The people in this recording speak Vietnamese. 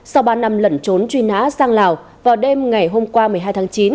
sau ba năm lẩn trốn truy nã sang lào vào đêm ngày hôm qua một mươi hai tháng chín